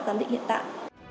giám định hiện tại